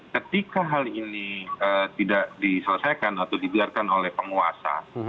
ketika hal ini tidak diselesaikan atau dibiarkan oleh penguasa